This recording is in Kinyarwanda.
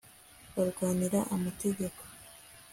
barwanira amategeko